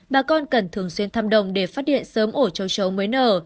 bà con cần thường xuyên thăm đồng để phát hiện sớm ổ trâu chấu mới nở